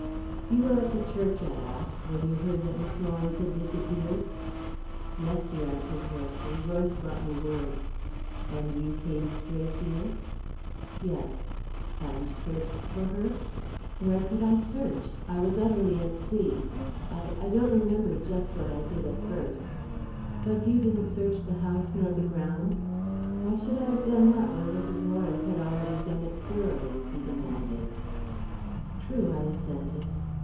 "You were at the church," I asked, "when you heard that Miss Lawrence had disappeared?" "Yes," he answered hoarsely. "Royce brought me word." "And you came straight here?" "Yes." "And searched for her?" "Where could I search? I was utterly at sea. I I don't remember just what I did at first." "But you didn't search the house nor the grounds?" "Why should I have done that when Mrs. Lawrence had already done it thoroughly?" he demanded. "True," I assented.